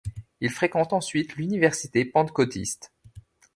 Il fréquente ensuite l'université pentecôtiste.